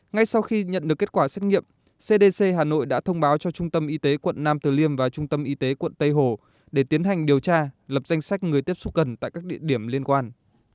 ngay sau khi nhận được kết quả xét nghiệm cdc hà nội đã thông báo cho trung tâm y tế quận nam từ liêm và trung tâm y tế quận tây hồ để tiến hành điều tra lập danh sách người tiếp xúc gần tại các địa điểm liên quan